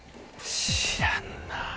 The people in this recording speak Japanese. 知らんな。